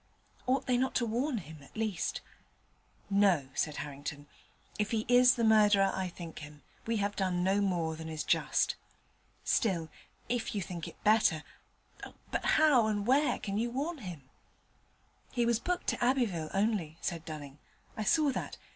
Ought they not to warn him, at least? 'No,' said Harrington; 'if he is the murderer I think him, we have done no more than is just. Still, if you think it better but how and where can you warn him?' 'He was booked to Abbeville only,' said Dunning. 'I saw that.